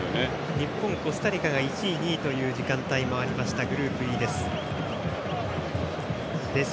日本、コスタリカが１位２位という時間帯もあったグループＥです。